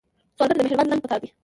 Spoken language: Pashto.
سوالګر ته د مهرباني زنګ پکار دی